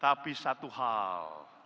tapi satu hal